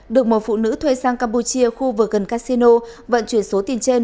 được một phụ nữ thuê sang campuchia khu vực gần casino vận chuyển số tiền trên